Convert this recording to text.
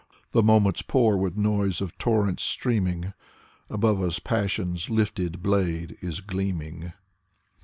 The moments pour with noise of torrents streaming: Above us passion's lifted blade is gleaming.